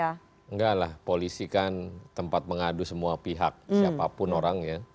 tidaklah polisi kan tempat mengadu semua pihak siapapun orang